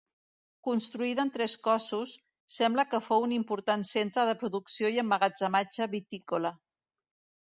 Construïda en tres cossos, sembla que fou un important centre de producció i emmagatzematge vitícola.